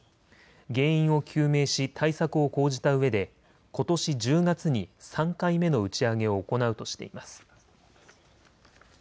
原因を究明し対策を講じたうえでことし１０月に３回目の打ち上げを行うとしています。